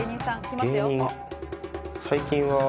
最近は。